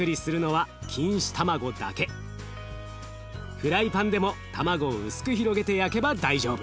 フライパンでも卵を薄く広げて焼けば大丈夫。